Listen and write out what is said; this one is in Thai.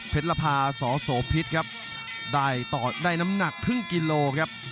เพชรพาสสพิษครับได้น้ำหนักครึ่งกิโลครับ